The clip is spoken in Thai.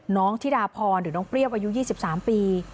ธิดาพรหรือน้องเปรี้ยวอายุ๒๓ปี